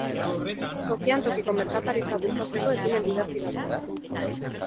Tokian tokiko merkataritza bultzatzeko ekimen dibertigarria.